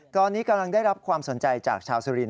ตอนนี้กำลังได้รับความสนใจจากชาวสุรินท